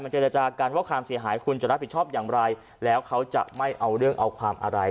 เจรจากันว่าความเสียหายคุณจะรับผิดชอบอย่างไรแล้วเขาจะไม่เอาเรื่องเอาความอะไร